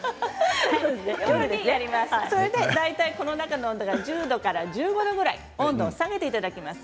この中の温度１０度から１５度くらいに温度を下げていただきます。